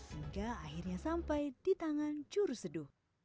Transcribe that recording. hingga akhirnya sampai di tangan curu seduh